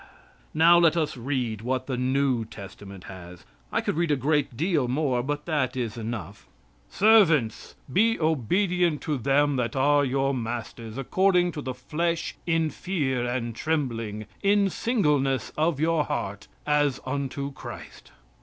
Now let us read what the New Testament has. I could read a great deal more, but that is enough. "Servants, be obedient to them that are your masters, according to the flesh in fear and trembling, in singleness of your heart, as unto Christ."